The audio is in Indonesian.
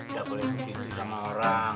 gak boleh begitu sama orang